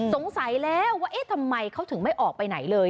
สงสัยแล้วว่าเอ๊ะทำไมเขาถึงไม่ออกไปไหนเลย